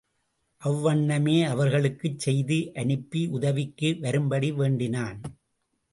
அவ்வண்ணமே அவர்களுக்குச் செய்தி அனுப்பி உதவிக்கு வரும்படி வேண்டினான்.